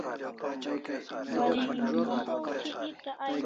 Wareg'in gak